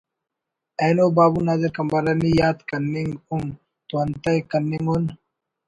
اینو بابو نادر قمبرانیءِ یات کننگ اُن تو انتئے کننگ اُن